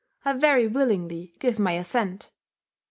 I very willingly give my assent.